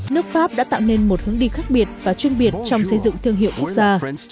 nước pháp đã tạo nên một hướng đi khác biệt và chuyên biệt trong xây dựng thương hiệu quốc gia